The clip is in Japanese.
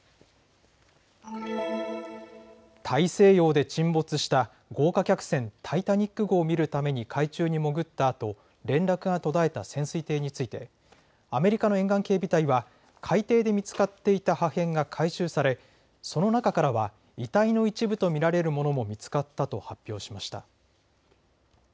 大西洋で沈没した豪華客船タイタニック号を見るために海中に潜ったあと連絡が途絶えた潜水艇についてアメリカの沿岸警備隊は海底で見つかっていた破片が回収されその中からは遺体の一部と見られるものも見つかったと発表しました。